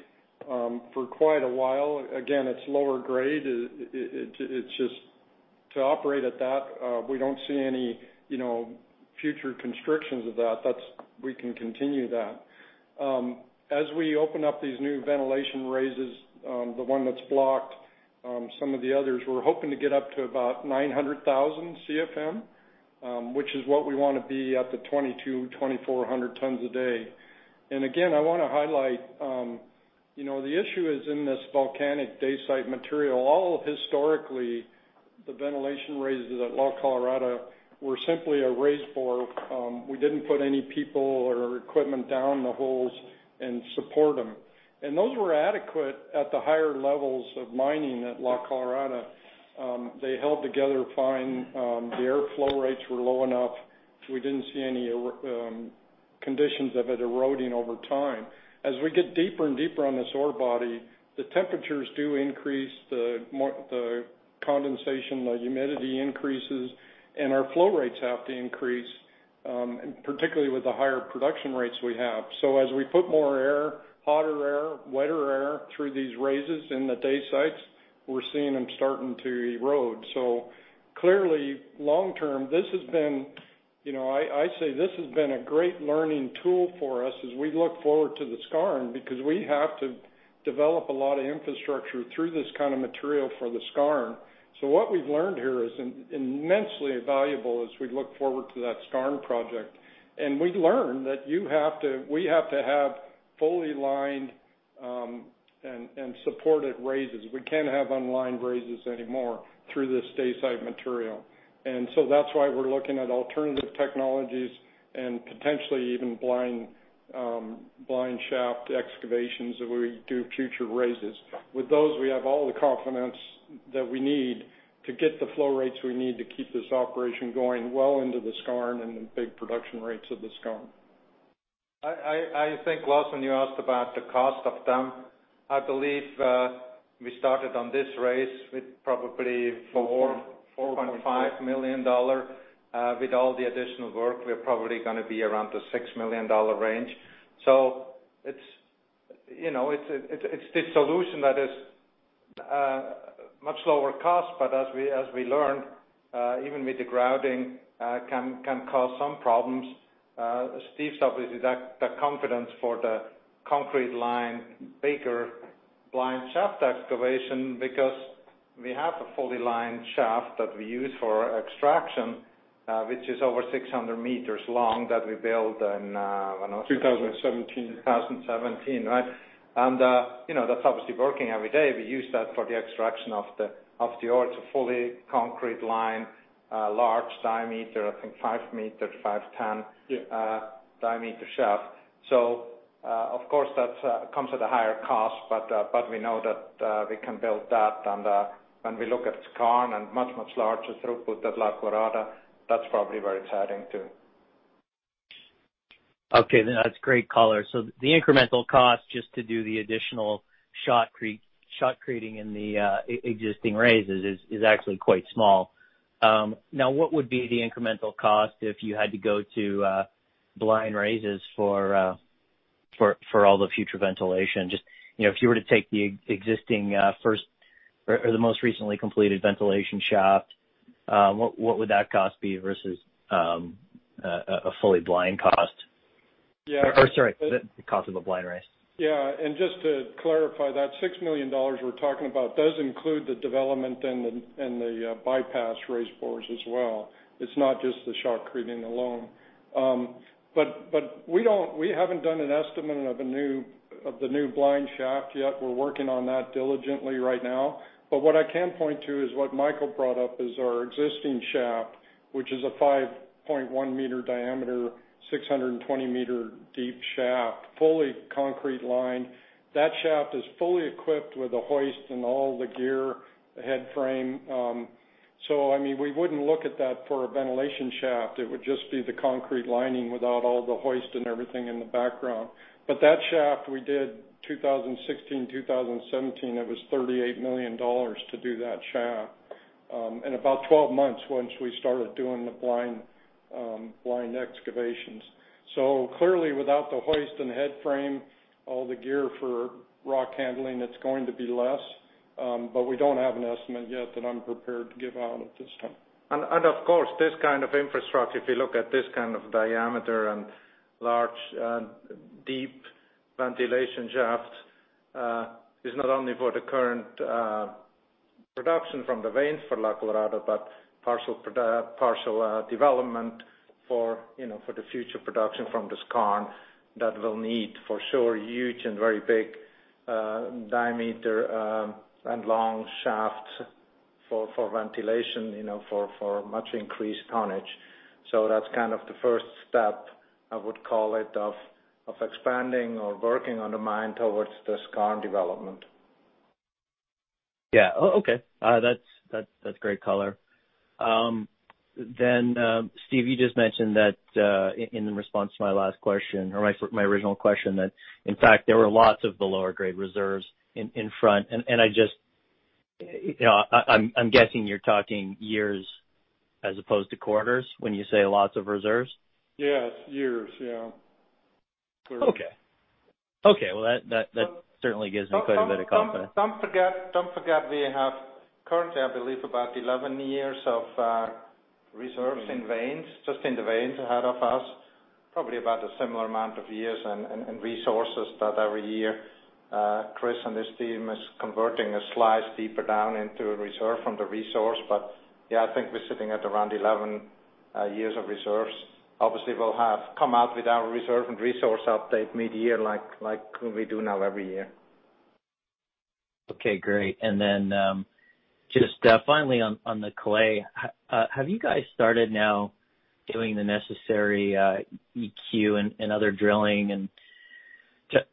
for quite a while. Again, it's lower grade. To operate at that, we don't see any future constrictions of that. We can continue that. As we open up these new ventilation raises, the one that's blocked, some of the others, we're hoping to get up to about 900,000 CFM, which is what we want to be at the 2,200-2,400 tons a day. Again, I want to highlight, the issue is in this volcanic dacite material, all historically, the ventilation raises at La Colorada were simply a raise bore. We didn't put any people or equipment down the holes and support them. Those were adequate at the higher levels of mining at La Colorada. They held together fine. The air flow rates were low enough. We didn't see any conditions of it eroding over time. As we get deeper and deeper on this ore body, the temperatures do increase, the condensation, the humidity increases, and our flow rates have to increase, particularly with the higher production rates we have. As we put more air, hotter air, wetter air through these raises in the dacite, we're seeing them starting to erode. Clearly, long-term, I say this has been a great learning tool for us as we look forward to the skarn, because we have to develop a lot of infrastructure through this kind of material for the skarn. What we've learned here is immensely valuable as we look forward to that skarn project. We learned that we have to have fully lined and supported raises. We can't have unlined raises anymore through this dacite material. That's why we're looking at alternative technologies and potentially even blind shaft excavations as we do future raises. With those, we have all the confidence that we need to get the flow rates we need to keep this operation going well into the skarn and the big production rates of the skarn. I think, Lawson, you asked about the cost of them. I believe we started on this raise with probably $4.5 million. With all the additional work, we're probably going to be around the $6 million range. It's the solution that is much lower cost, but as we learned, even with the grouting, can cause some problems. Steve's obviously got the confidence for the concrete line, bigger blind shaft excavation, because we have a fully lined shaft that we use for extraction, which is over 600 meters long that we built in, when was it? 2017. 2017, right. That's obviously working every day. We use that for the extraction of the ore. It's a fully concrete line, large diameter, I think 5 meter, 5.10 diameter shaft. Of course, that comes at a higher cost, but we know that we can build that. When we look at skarn and much, much larger throughput at La Colorada, that's probably very exciting, too. Okay. That's great color. The incremental cost just to do the additional shotcreting in the existing raises is actually quite small. What would be the incremental cost if you had to go to blind raises for all the future ventilation? If you were to take the existing first or the most recently completed ventilation shaft, what would that cost be versus a fully blind cost? Yeah. Sorry, the cost of a blind raise. Yeah. Just to clarify, that $6 million we're talking about does include the development and the bypass raise bores as well. It's not just the shotcreting alone. We haven't done an estimate of the new blind shaft yet. We're working on that diligently right now. What I can point to is what Michael Steinmann brought up, is our existing shaft, which is a 5.1 meter diameter, 620 meter deep shaft, fully concrete lined. That shaft is fully equipped with a hoist and all the gear, the head frame. I mean, we wouldn't look at that for a ventilation shaft. It would just be the concrete lining without all the hoist and everything in the background. That shaft we did 2016, 2017, it was $38 million to do that shaft. About 12 months once we started doing the blind excavations. Clearly, without the hoist and head frame, all the gear for rock handling, it's going to be less. We don't have an estimate yet that I'm prepared to give out at this time. Of course, this kind of infrastructure, if you look at this kind of diameter and large, deep ventilation shaft, is not only for the current production from the veins for La Colorada, but partial development for the future production from the skarn that will need, for sure, huge and very big diameter and long shafts for ventilation, for much increased tonnage. That's kind of the first step, I would call it, of expanding or working on the mine towards the skarn development. Yeah. Okay. That's great color. Steve, you just mentioned that, in the response to my last question or my original question, that in fact, there were lots of the lower grade reserves in front. I'm guessing you're talking years as opposed to quarters when you say lots of reserves. Yes. Years. Yeah. Okay. Well, that certainly gives me quite a bit of confidence. Don't forget we have currently, I believe, about 11 years of reserves in veins, just in the veins ahead of us. Probably about a similar amount of years and resources that every year, Chris and his team is converting a slice deeper down into a reserve from the resource. Yeah, I think we're sitting at around 11 years of reserves. Obviously, we'll have come out with our reserve and resource update mid-year, like we do now every year. Okay, great. Just finally on the clay, have you guys started now doing the necessary HQ and other drilling and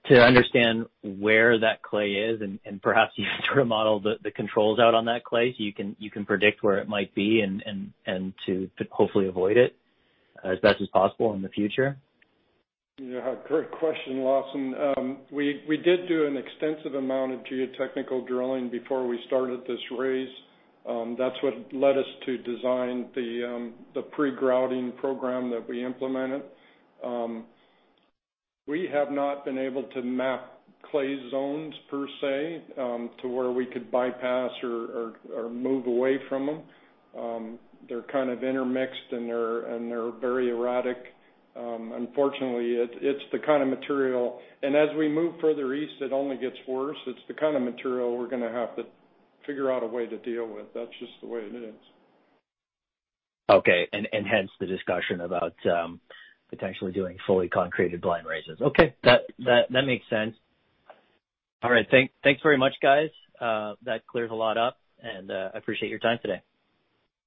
to understand where that clay is and perhaps even to model the controls out on that clay so you can predict where it might be and to hopefully avoid it as best as possible in the future? Yeah, great question, Lawson. We did do an extensive amount of geotechnical drilling before we started this raise. That's what led us to design the pre-grouting program that we implemented. We have not been able to map clay zones per se, to where we could bypass or move away from them. They're kind of intermixed, they're very erratic. Unfortunately, it's the kind of material. As we move further east, it only gets worse. It's the kind of material we're going to have to figure out a way to deal with. That's just the way it is. Okay. Hence the discussion about potentially doing fully concreted blind raises. Okay. That makes sense. All right. Thanks very much, guys. That clears a lot up, and I appreciate your time today.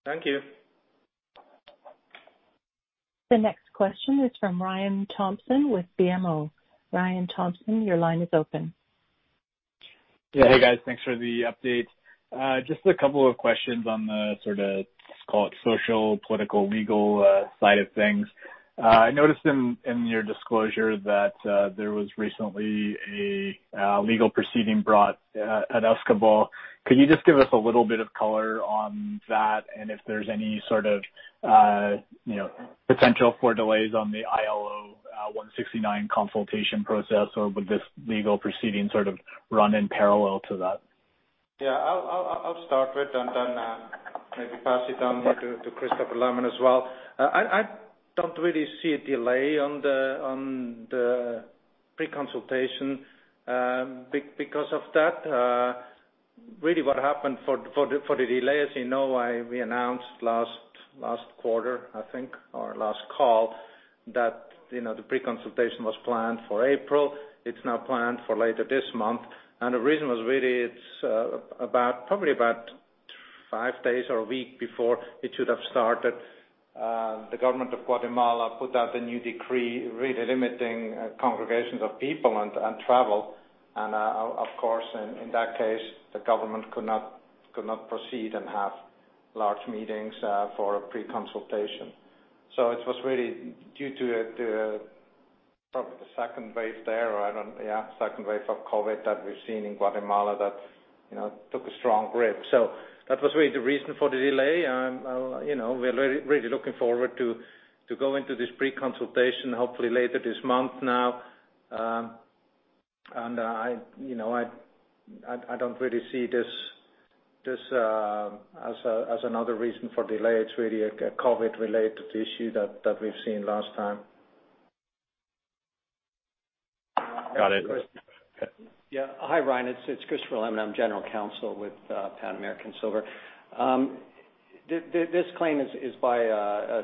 Thank you. The next question is from Ryan Thompson with BMO. Ryan Thompson, your line is open. Hey, guys. Thanks for the update. Just a couple of questions on the sort of, let's call it social, political, legal side of things. I noticed in your disclosure that there was recently a legal proceeding brought at Escobal. Could you just give us a little bit of color on that, and if there's any sort of potential for delays on the ILO 169 consultation process, or would this legal proceeding sort of run in parallel to that? Yeah, I'll start with and then maybe pass it on to Christopher Lemon as well. I don't really see a delay on the pre-consultation because of that. Really what happened for the delay, as you know, we announced last quarter, I think, or last call that the pre-consultation was planned for April. It's now planned for later this month. The reason was really it's probably about five days or one week before it should have started. The Government of Guatemala put out a new decree really limiting congregations of people and travel. Of course, in that case, the government could not proceed and have large meetings for a pre-consultation. It was really due to probably the second wave there, or second wave of COVID-19 that we've seen in Guatemala that took a strong grip. That was really the reason for the delay. We're really looking forward to go into this pre-consultation, hopefully later this month now. I don't really see this as another reason for delay. It's really a COVID related issue that we've seen last time. Got it. Yeah. Hi, Ryan. It's Christopher Lemon. I'm General Counsel with Pan American Silver. This claim is by a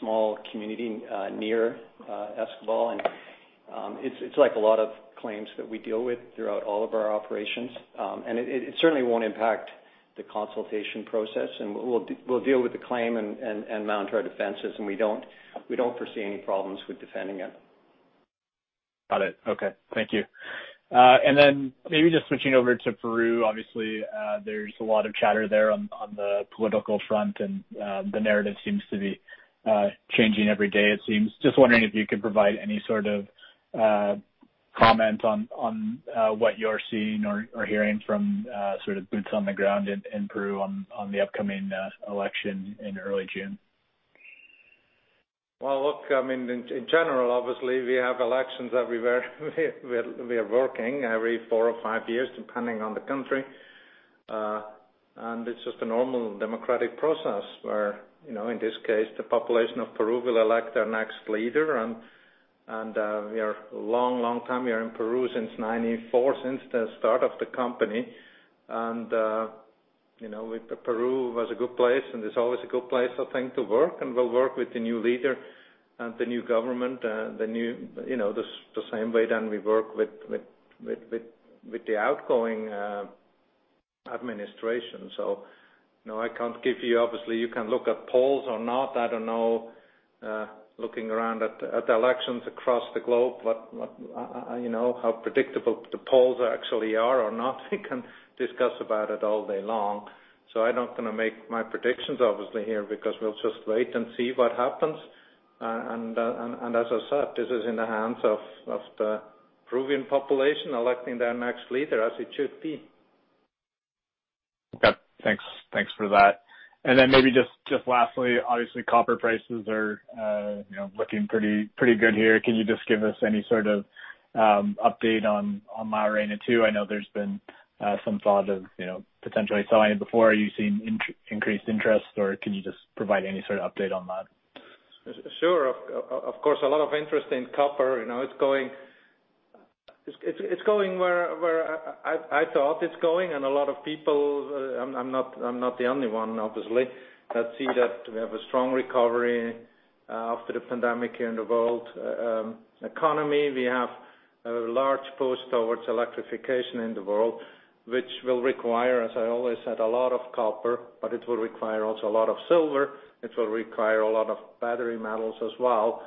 small community near Escobal, and it's like a lot of claims that we deal with throughout all of our operations. It certainly won't impact the consultation process, and we'll deal with the claim and mount our defenses, and we don't foresee any problems with defending it. Got it. Okay. Thank you. Maybe just switching over to Peru, obviously, there's a lot of chatter there on the political front, and the narrative seems to be changing every day it seems. Just wondering if you could provide any sort of comment on what you're seeing or hearing from boots on the ground in Peru on the upcoming election in early June. Well, look, in general, obviously, we have elections everywhere. We are working every four or five years, depending on the country. It's just a normal democratic process where, in this case, the population of Peru will elect their next leader. We are a long time here in Peru, since 1994, since the start of the company. Peru was a good place, and it's always a good place, I think, to work, and we'll work with the new leader and the new government the same way that we work with the outgoing administration. Obviously, you can look at polls or not. I don't know, looking around at elections across the globe, how predictable the polls actually are or not. We can discuss about it all day long. I'm not going to make my predictions, obviously, here, because we'll just wait and see what happens. As I said, this is in the hands of the Peruvian population electing their next leader as it should be. Okay, thanks. Thanks for that. Maybe just lastly, obviously, copper prices are looking pretty good here. Can you just give us any sort of update on La Arena II? I know there's been some thought of potentially selling before. Are you seeing increased interest, or can you just provide any sort of update on that? Sure. Of course, a lot of interest in copper. It's going where I thought it's going. A lot of people, I'm not the only one, obviously, that see that we have a strong recovery after the pandemic here in the world economy. We have a large push towards electrification in the world, which will require, as I always said, a lot of copper. It will require also a lot of silver. It will require a lot of battery metals as well.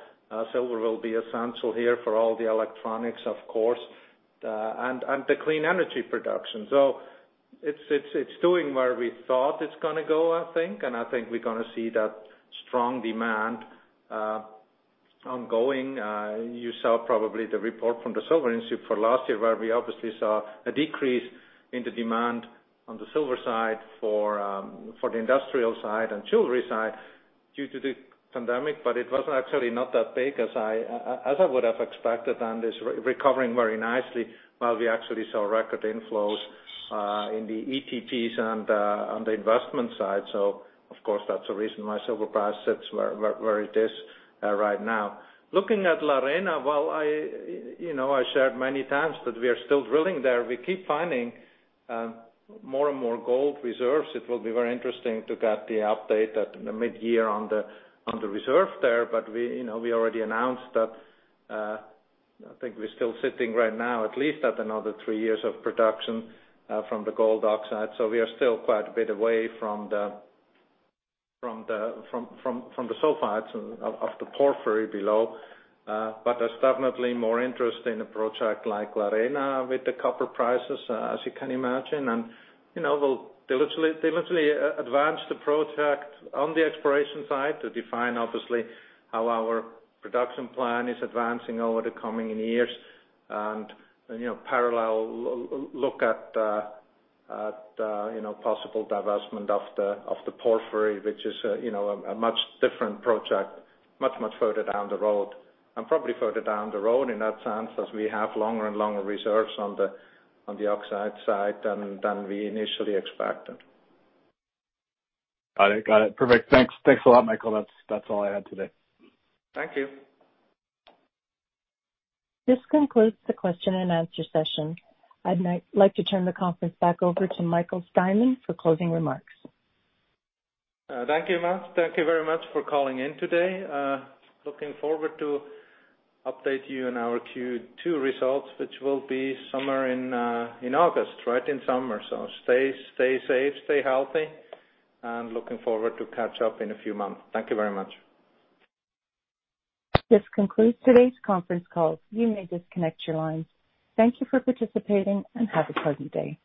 Silver will be essential here for all the electronics, of course, and the clean energy production. It's doing where we thought it's going to go, I think, and I think we're going to see that strong demand ongoing. You saw probably the report from The Silver Institute for last year, where we obviously saw a decrease in the demand on the silver side for the industrial side and jewelry side due to the pandemic, it was actually not that big as I would have expected and is recovering very nicely while we actually saw record inflows in the ETPs and the investment side. Of course, that's the reason why silver price sits where it is right now. Looking at La Arena, well, I shared many times that we are still drilling there. We keep finding more and more gold reserves. It will be very interesting to get the update at the mid-year on the reserve there. We already announced that I think we're still sitting right now at least at another three years of production from the gold oxide. We are still quite a bit away from the sulfides of the porphyry below. There's definitely more interest in a project like La Arena with the copper prices, as you can imagine. We'll deliberately advance the project on the exploration side to define, obviously, how our production plan is advancing over the coming years and parallel look at possible divestment of the porphyry, which is a much different project, much further down the road. Probably further down the road in that sense as we have longer and longer reserves on the oxide side than we initially expected. Got it. Perfect. Thanks. Thanks a lot, Michael. That is all I had today. Thank you. This concludes the question and answer session. I'd like to turn the conference back over to Michael Steinmann for closing remarks. Thank you. Thank you very much for calling in today. Looking forward to update you on our Q2 results, which will be somewhere in August, right in summer. Stay safe, stay healthy, and looking forward to catch up in a few months. Thank you very much. This concludes today's conference call. You may disconnect your lines. Thank you for participating and have a pleasant day.